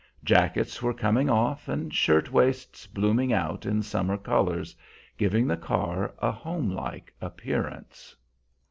Jackets were coming off and shirt waists blooming out in summer colors, giving the car a homelike appearance.